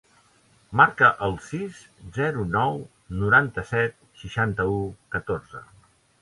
Marca el sis, zero, nou, noranta-set, seixanta-u, catorze.